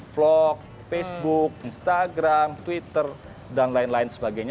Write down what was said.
vlog facebook instagram twitter dan lain lain sebagainya